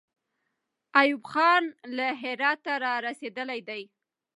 ایوب خان له هراته را رسېدلی دی.